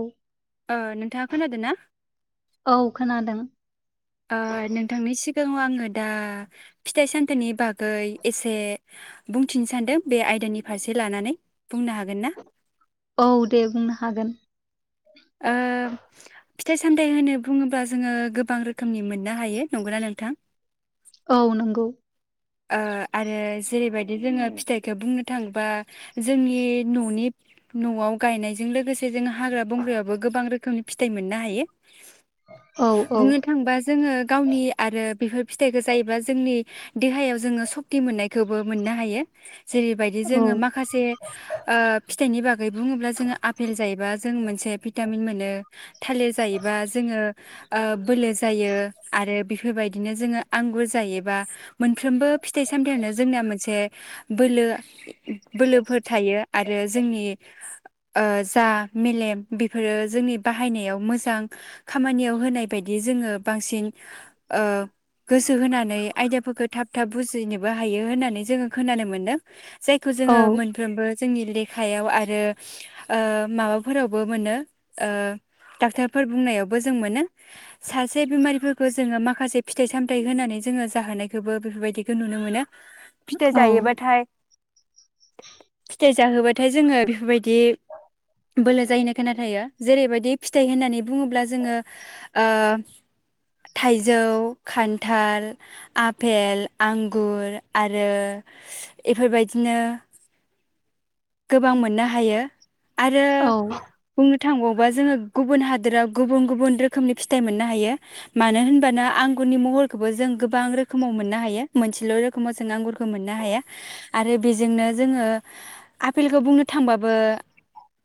औ। ओ नोंथाङा खोनादो ना? औ खोनादों। ओ नोंथांनि सिगाङाव आङो दा फिथाइ सामथाइनि बागै एसे बुंथिनो सान्दों बे आयदानि फारसे लानानै बुंनो हागोन ना? औ दे बुंनो हागोन। ओ फिथाइ सामथाइ होनो बुङोब्ला जोङो गोबां रोखोमनि मोननो हायो नंगौना नोंथां? औ नंगौ। ओ आरो जेरैबायदि जोङो फिथाइखो बुंनो थाङोबा जोंनि न'नि न'आव गायनायजों लोगोसे जोङो हाग्रा बंग्रायावबो गोबां रोखोमनि फिथाइ मोननो हायो। औ औ बुंनो थाङोबा जोङो गावनि आरो बेफोर फिथाइखौ जायोबा जोंनि देहायाव जोङो सक्ति मोननायखौबो मोननो हायो। जेरैबायदि औ जोङो माखासे ओ फिथ फिथायनि बाग। गै बुङोब्ला जोङो आफेल जायोबा जों मोनसे भिटामिन मोनो थालिर जायोबा जोङो ओ बोलो जायो आरो बेफोरबायदिनो जोङो आंगुर जायोबा मोनफ्रोमबो फिथाइ सामथायाइनो जोंनाया मोनसे बोलो बोलोफोर थायो आरो जोंनि। ओ जा मेलेम बेफोरो जोंनि बाहायनायाव मोजां खामानियाव होनाय बायदि जोङो बांसिन ओ गोसो होनानै आयदाफोरखौ। थाब थाब बुजिनोबो हायो होननानै जोङो खोनानो मोनदों। जायखौ औ जोङो मोनफ्रोमबो। जोंनि लेखायाव आरो ओ माबाफोरावबो मोनो ओ डाक्टरफोर बुंनायावबो जों मोनो सासे बेमारिफोरखौ जोङो माखासे फिथाइ सामथायाइ होनानै जोङो जाहोनाय। बेखौबो बेफोरबायदिखौ नुनो मोनो। फिथाइ जायोबाथाय। फिथायाइ जाहोबाथाय जोङो बेफोरबायदि बोलो जाहैनो खोनथायायो जेरैबायदि फिथाइ होननानै बुङोब्ला जोङो ओ थाइजौ खान्थाल। आफेल आंगुर आरो इफोरबायदिनो गोबां मोननो हायो। आरो औ बुं। थांबावबा जोङो गुबुन हादोराव गुबुन गुबुन रोखोमनि फिथाइ मोननो हायो मानो होनब्ला आंगुरनि महरखौबो जों गोबां रोख। रोखोमाव मोननो हायो मोनसेल' रोखोमाव जों आंगुरखौ मोननो हाया आरो बेजोंनो जोङो आफेलखौ बुंनो थांबाबो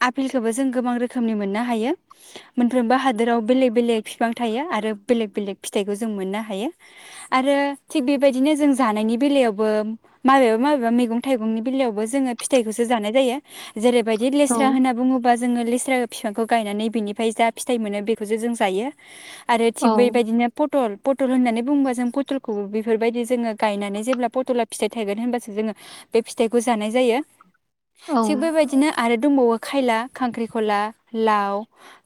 आफेलखौबो जों गोबां रोखोमनि मोननो हायो मोनफ्रोमबो हादोराव बेलेक बेलेग बिफां थायो आरो बेलेग बेलेक फिथाइखौ जों मोननो हायो आरो। थिग बेबायदिनो जों जानायनि बेलायावबो माबेबा माबेबा मैगं थाइगंनि बेलायावबो जोङो फिथाइखौसो जानाय जायो। जेरैबायदि औ लेस्रा होनना बुङोबा। जोङो लेस्रा बिफांखौ गायनानै बिनिफ्राय जा फिथाइ मोनो बेखौसो जों जायो। आरो थिग बेैबायदिनो पटल। पटल होननानै बुंङोबा जों पथल। बेफोरबायदि जोङो गायनानै जेब्ला पथला फिथाइ थायगोन होनबासो जोङो बे फिथाइखौ जानाय जायो। औ थिग बेबायदिनो आरो दंबावो। खायला खांख्रिखला लाव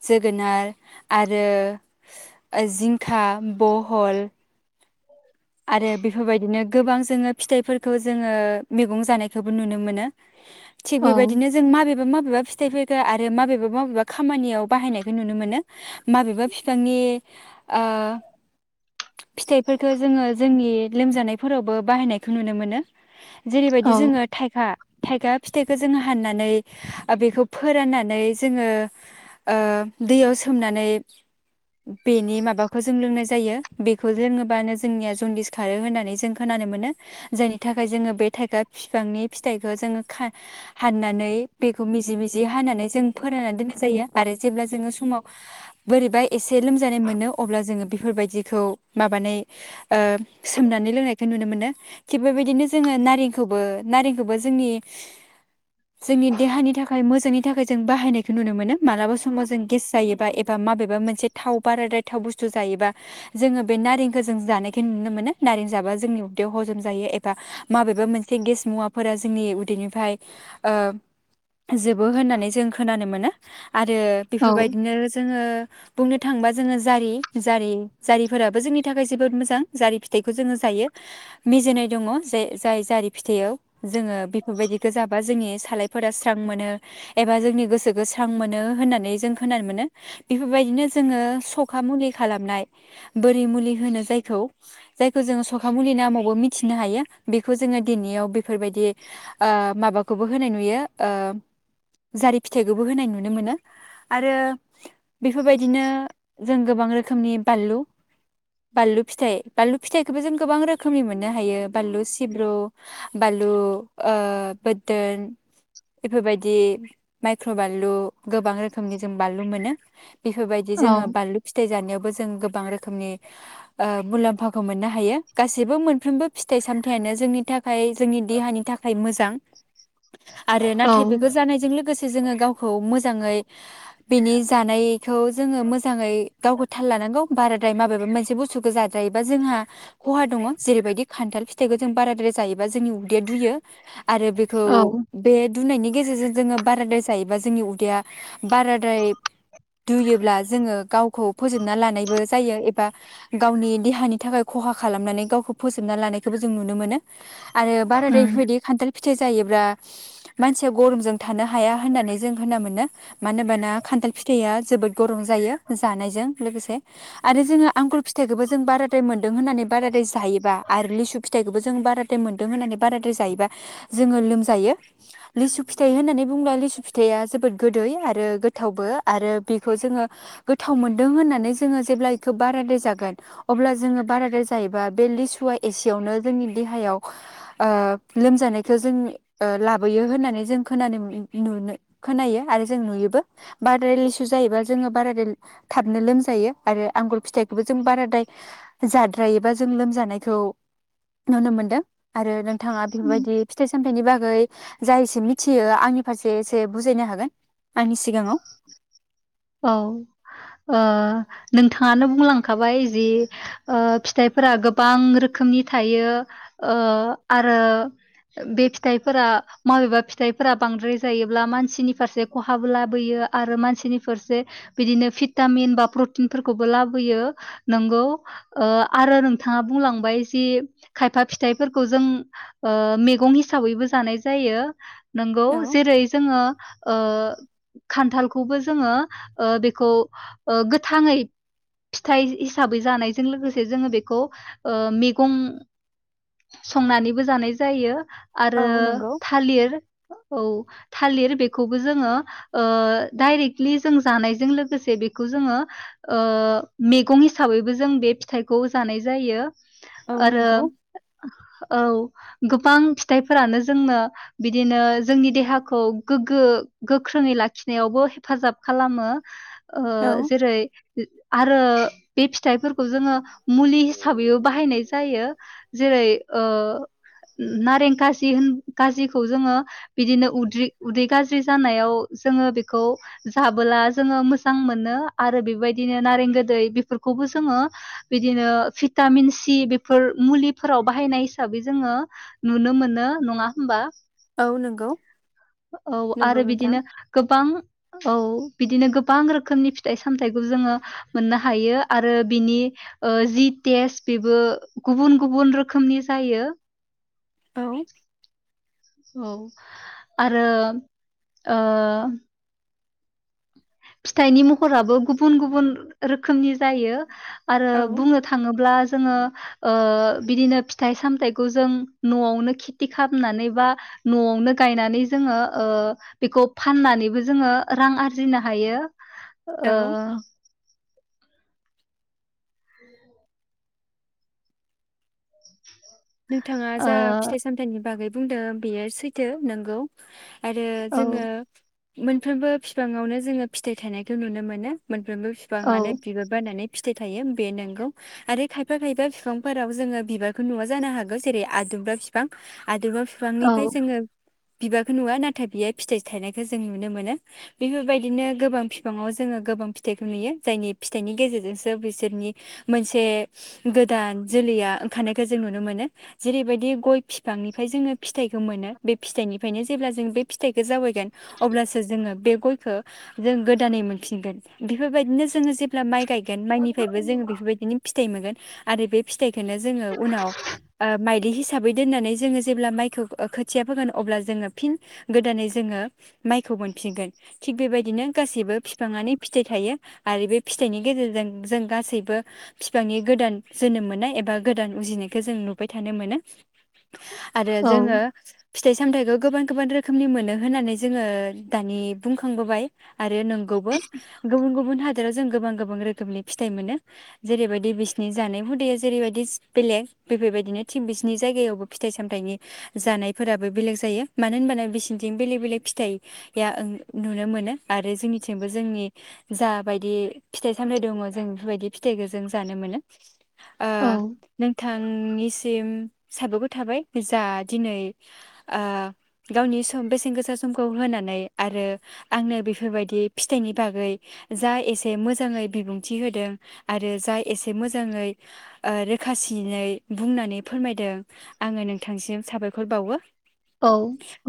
जोगोनार आरो जिंखा बहल। आरो बेफोरबायदिनो गोबां जोङो फिथाइफोरखौ जोङो मैगं जानायखौबो नुनो मोनो। थिग बेबायदिनो जों माबेबा मा। माबेबा फिथाइफोरखौ आरो माबेबा माबेबा खामानियाव बाहायनायखौ नुनो मोनो माबेबा बिफांनि ओ फिथाइफोरखो जोङो। जोंनि लोमजानायफोरावबो बाहायनायखौ नुनो मोनो। जेरैबायदि औ जोङो थाइखा। थाइगा फिथाइखौ जोङो हाननानै बेखौ फोराननानै जोङो ओ दैयाव सोमनानै बेनि माबाखौ जों लोंनाय जायो बेखौ लोङोबानो जोंनिया। जन्दिस खारो होननानै जों खोनानो मोनो जायनि थाखाय जोङो बे थाइगा फिफांनि फिथाइखौ जोङो खा हाननानै बेखौ मिजि मिजि हानानै जों फोराननानै दोननाय जायो आरो जेब्ला जोङो समाव। बोरैबा एसे लोमजानाय मोनो अब्ला जोङो बेफोरबायदिखौ माबानाय सोमनानै लोंनायखौ नुनो मोनो थिग बेबायदिनो जोङो नारेंखौबो नारेंखौबो जोंनि जोंनि देहानि थाखाय मोजांनि थाखाय जों बाहायनायखौ नुनो मोनो मालाबा समाव जों गेस जायोबा एबा माबेबा मोनसे थाव बाराद्राय थाव बुस्थु जायोबा जोङो बे नारेंखौ जों जानाय खौनुनो मोनो नारें जाबा जोंनि उदैयाव हजम जायो एबा माबेबा मोनसे गेस मुवाफोरा जोंनि उदैनिफ्राय जोबो होननानै जों खोनानो मोनो आरो बेफोरबायदिनो जोङो बुंनो थांबा जोङो जारि जारि जारिफोराबो जोंनि थाखाय जोबोद मोजां। जारि फिथाइखौ जोङो जायो मिजिनाय दङ जे जाय जारि फिथाइयाव जोङो बेफोरबायदिखौ जाबा जोंनि सालायफोरा स्रां मोनो एबा जोंनि गोसोखौ स्रां मोनो होननानै जों खोनानो मोनो बेफोरबायदिनो जोङो सखा मुलि खालामनाय बोरि मुलि होनो जायखौ जायखौ जोङो सखा मुलि नामावबो मिथिनो हायो बेखौ जोङो दिनैयाव बेफोरबायदि माबाखौबो होनाय नुयो जारि फिथाइखौबो होनाय नु नुनो मोनो आरो बेफोरबादिनो जों गोबां रोखो रोखोमनि बानलु बानलु फिथाइ बानलु फिथाइखौबो जों गोबां रोखोमनि मोननो हायो बानलु सिब्रु बानलु बोरदोन बेफोरबायदि माइक्र' बानलु गोबां रोखोमनि जों बानलु मोनो। बेफोरबायदि औ जोङो बानलु फिथाइ जानायावबो गोबां रोखोमनि ओ मुलामफा मोननो हायो गासिबो मोनफ्रोमबो फिथाइ सामथाइनो जोंनि थाखाय जोंनि देहानि थाखाय मोजां। आरो औ नाथाय बेखौ जानायजों लोगोसे जोङो गाव खौ मोजाङै बेनि जानायखौ जोङो मोजाङै गावखौ थाल लानांगौ बाराद्राय माबायावबा मोनसे बुस्थुखौ जाद्राय बा जोंहा खहा दङ जेरैबायदि खान्थाल फिथाइखौ जों बाद्राय जायो बा जोंनि उदैया दुयो। आरो बेखौ औ बे दुनायनि गेजेरजों जोङो बाराद्राय जायोबा जोंनि उदैया बाराद्राय दुयोब्ला जोङो गावखौ फोजोबना लानायबो जायो एबा गावनि देहानि थाखाय खहा खालामनानै गावखौ फोजोबना लानायखौबो जों नुनो मोनो। आरो बाराद्राय उम बेफोरबायदि खान्थाल फिथाइ जायोबा मानसिया गरमजों थानो हाया होननानै जों खोनानो मोनो मानो होनोबाना खान्थाल फिथाइया जोबोर गरम जायो जानायजों लोगोसे आरो जोङो आंगुर फिथाइखौबो जों बाराथाय मोनो होन्नानै बाराद्राय जायोब्ला आरो लिसु फिथाइखौबो जों बाराद्राय मोन्दों होननानै बाराद्राय जायोबा जोङो लोमजायो लिसु फिथाइ होननानै बुंङोब्ला लिसु फिथाइया जोबोद गोदै आरो गोथावबो आरो बेखौ जोङो गोथाव मोन्दों होननानै जोङो जेब्ला बेखौ बाराद्राय जागोन अब्ला जोङो बारादाय जायोबा बे लिसुआ एसेयावनो जोंनि देहायाव ओ लोमजानायखौ जों लाबोयो होननानै जों खोनानो नुनो खोनायो आरो जों नुयोबो बारादाय लिसु जायोबा जोङो बारादाय थाबनो लोमजायो आरो आंगुर फिथाइखौबो जों बारादाय जाद्रायोबा जों लोमजानायखौ नुनो मोनदों। आरो नोंथाङा बेफोरबायदि फिथाइ सामथायाइनि बाग गै जा एसे मिथियो आंनि फारसे एसे बुजायनो हागोन आंनि सिगाङाव। औ ओ नोंथाङानो बुंलांखाबाय जि ओ फिथाइफोरा गोबां रोखोमनि थायो ओ आरो बे फिथाइफोरा मबेबा फिथाइफोरा बांद्राय जायोब्ला मानसिनि फारसे खहाबो लाबोयो आरो मानसिनि से बिदिनो भिटामिन बा प्रटिनफोरखौबो लाबोयो नोंगौ आरो नोंथाङा बुंलांबाय जि खायफा फिथाइफोरखौ जों मैगं हिसाबैबो जानाय जायो। नोंगौ औ जेरै जोङो ओ खान्थालखौबो जोङो ओ बेखौ ओ गोथाङै फिथाइ हिसाबै जानायजों लोगोसे जोङो बेखौ ओ मैगं संनानैबो जानाय जायो। औ आरो नंगौ थालिर औ थालिर बेखौबो जोङो ओ डाइरेक्ट लि जों जानायजों लोगोसे बेखौ जोङो ओ मैगं हिसाबैबो जों बे फिथाइखौ जानाय जायो। औ आरो नंगौ औ। गोबां फिथाइफोरानो जोंनो बिदिनो जोंनि देहाखौ गोग्गो गोख्रोङै लाखिनायावबो हेफाजाब खालामो। ओ औ जिरै आरो बे फिथाइफोरखौ जोङो। मुलि हिसाबैबो बाहायनाय जायो जेरै ओ। नारें खाजि होन खाजिखौ जोङो बिदिनो उद्रि उदै गाज्रि जानायाव जोङो बेखौ जाबोला जोङो मोजां मोनो आरो बेबायदिनो नारें गोदै बेफोरखौबो जोङो बिदिनो भिटामिन सि बेफोर मुलिफोराव बाहायनाय हिसाबै जोङो नुनो मोनो नङा होमबा। औ नंगौ औ नंगौ आरो नोंथां बिदिनो गोबां औ बिदिनो गोबां रोखोमनि फिथाइ सामथायाइखौ जोङो मोननो हायो आरो बिनि जि टेस्ट बेबो गुबुन गुबुन रोखोमनि जायो औ औ आरो फिथाइनि महराबो गुबुन-गुबुन रोखोमनि जायो। आरो औ बुंनो थाङोब्ला जोङो। ओ बिदिनो फिथाइ सामथाइखौ जों नआवनो खेथि खालामनानै बा नआवनो गायनानै ओ जोङो बेखौ फाननानैबो जोङो रां आर आरजिनो हायो ओ औ नोंथाङा जा फिथाइ सामथाइनि बागै बुंदों बेयो सैथो नोंगौ। आरो ओ जोङो। मोनफ्रोमबो बिफाङावनो जोङो फिथाइ थखौ नुनो मोनो। मोनफ्रोमबो औ बिफाङानो बिबार बायनानै। फिथाइ थायो बे नंगौ। जानो हागौ जेरै आदुमब्रा बिफां हादरबाव औ बिफांनिफ्राय जोङो बिबारखौ नुवा नाथाय बियो फिथाइ थायनायखौ जों नुनो मोनो बेफोरबायदिनो गोबां बिफाङाव जोङो गोबां फिथाइखौ नुयो जायनि फिथाइनि गेजेरजोंसो बिसोरनि मोनसे गोदान जोलैया ओंखारनायखौ। जों नुनो मोनो जेरैबायदि गय फिफांनिफ्राय जोङो फिथाइखौ मोनो बे फिथाइनिफ्रायनो जेब्ला जों बे फिथाइखौ जाबायगोन अब्लासो जोङो बे गयखै गोदानै मोनगोन बेफोरबायदिनो जोङो जे माइ गाय मोनगोन माइनिफ्रायबो जोङो बेफोरबायदिनो फिथाइ मोनगोन। आरो बे फिथाइखौनो जोङो उनाव माइदि हिसाबै दोननानै जोङो जेब्ला माइखौ खोथिया फोगोन अब्ला जोङो फिन गोदानै जोङो माइखौ मोनफिनगोन थिग बेबायदिनो गासैबो फिफाङानो फिथाइ थायो आरो बे फिथाइनि गेजेरजों जों गासैबो बिफांनि गोदान जोनोम मोननाय एबा गोदान। उजिनायखौ जों नुबाय थानो मोनो। आरो औ जोङो। फिथाइ सामथायाइखौ गोबां गोबां रोखोमनि मोनो होननानै जोङो दानि बुंखांबोबाय आरो। बे नंगौबो गुबन गुबुन आरोजों गोबां गोबां रोखोम फिथाइ मोनो जेरैबायदि बिसनि जानाय हुदैया जेरैबायदि बेलेग बेफोरबायदिनो थिग बिसिनि जायगायावबो फिथाइ सामथायाइनि जानायफोराबो बेलेग जायो मानो होनबानो बिसिनिथिं बेलेग बेलेग फिथाइया नुनो मोनो आरो जोंनिथिंबो जोंनि जाबायदि फिथाइ सामथाइ दङ जों बेफोरबायदि फिथाइखौ जों जानो मोनो औ आ बिथांनिसिम साबागद थाबाय जा दिनै गावनि सम बेसेन गोसा समखौ होनानै आरो आंनो बेफोरबायदि फिथाइनि बागै जा एसे मोजाङै बिबुंथि होदों आरो जा एसे मोजाङै आरो खासिनै बुंनानै फोरमायदों आङो नोंथांसिम साबायखर बावो औ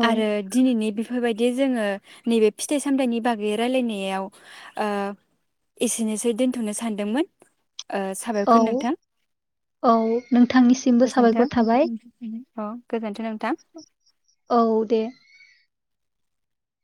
औ आरो दिनैनि बेफोरबायदि दि जोङो नैबे फिथाइ सामथायाइनि बागै रायलायनायाव एसेनोसै दोन्थ'नो सानदोंमोन साबायरखोन औ नोंथां औ नोंथांनिसिमबो गोजोन्थों। साबायखर थाबाय औ गोजोन्थों नोंथां। औ दे।